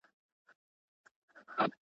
ورو په ورو د لېوه خواته ور نیژدې سو.